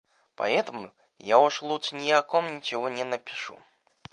Поэтому я уж лучше ни о ком ничего не напишу.